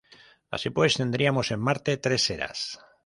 Así pues tendríamos en Marte tres eras.